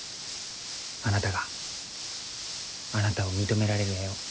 あなたがあなたを認められる絵を。